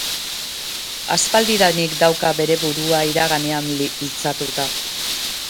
Aspaldidanik dauka bere burua iraganean iltzatuta.